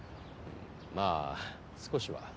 まあ少しは。